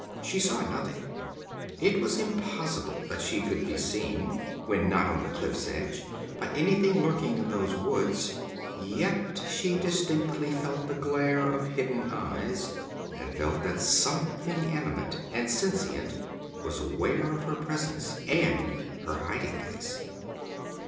She saw nothing; it was impossible that she could be seen, when not on the cliff's edge, by anything lurking in those woods. Yet she distinctly felt the glare of hidden eyes, and felt that something animate and sentient was aware of her presence and her hiding place.